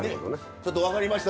ちょっと分かりました。